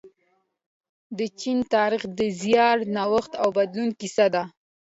د چین تاریخ د زیار، نوښت او بدلون کیسه ده.